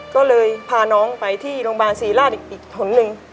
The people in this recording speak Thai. ก็เลยพาน้องไปที่โรงพยาบาลศรีราชอีกถนนหนึ่ง